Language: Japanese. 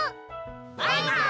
バイバーイ！